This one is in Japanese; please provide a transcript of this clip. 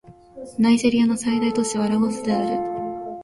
ナイジェリアの最大都市はラゴスである